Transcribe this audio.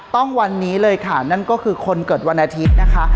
ต้องวันนี้เลยค่ะนั่นก็คือคนเกิดวันอาทิตย์นะคะ